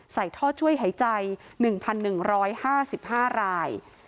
ใส่ท่อช่วยหายใจ๑๑๕๕ราย